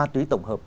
thì tổng hợp